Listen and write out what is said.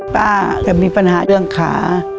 ป้าจะมีปัญหาเรื่องขา